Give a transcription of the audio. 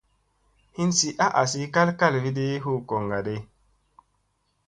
Hinsi a asi kal kalfiɗi hu goŋga di.